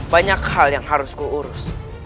banyak hal yang harus kuurus